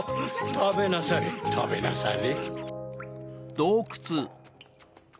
たべなされたべなされ。